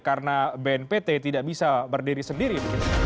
karena bnpt tidak bisa berdiri sendiri